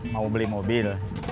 mau beli mobil